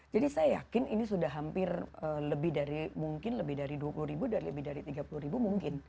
jadi saya yakin ini sudah hampir lebih dari mungkin lebih dari dua puluh ribu dan lebih dari tiga puluh ribu mungkin